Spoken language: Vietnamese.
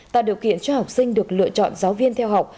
tạo điều kiện cho học sinh được lựa chọn giáo viên theo học